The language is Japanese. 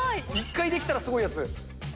１回できたらすごいやつ。